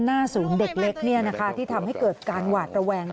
หน้าศูนย์เด็กเล็กที่ทำให้เกิดการหวาดระแวง